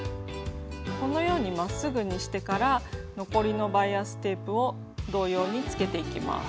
このようにまっすぐにしてから残りのバイアステープを同様につけていきます。